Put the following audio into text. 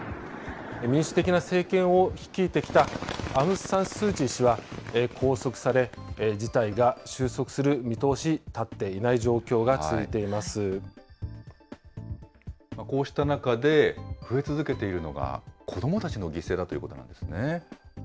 民主的な政権を率いてきたアウン・サン・スー・チー氏は拘束され、事態が収束する見通し、立っていこうした中で増え続けているのが、子どもたちの犠牲だということなんですね。